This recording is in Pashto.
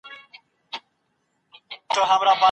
استاد وویل چي تمرین انسان کامل کوي.